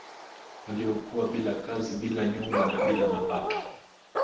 waliokuwa bila kazi bila nyumba na bila mapato